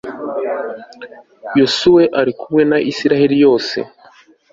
yozuwe ari kumwe na israheli yose